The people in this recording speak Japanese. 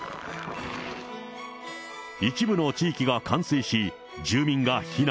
一部の地域が冠水し、住民が避難。